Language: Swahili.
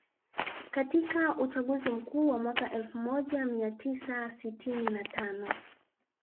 Katika uchaguzi Mkuu wa mwaka elfu moja mia tisa sitini na tano